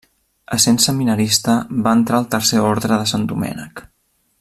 Essent seminarista va entrar al Tercer Orde de Sant Domènec.